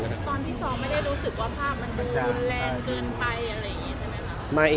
ตอนที่ซ้อมไม่ได้รู้สึกว่าภาพมันดูรุนแรงเกินไปอะไรอย่างนี้ใช่ไหมคะ